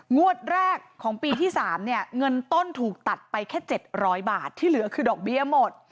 งวดแรกของปีที่๓เนี่ยเงินต้นถูกตัดไปแค่๗๐๐บาทที่เหลือคือดอกเบี้ยหมด